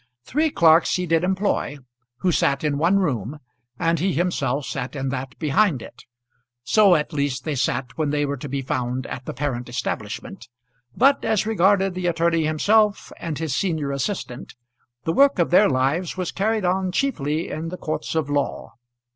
Three clerks he did employ, who sat in one room, and he himself sat in that behind it. So at least they sat when they were to be found at the parent establishment; but, as regarded the attorney himself and his senior assistant, the work of their lives was carried on chiefly in the courts of law.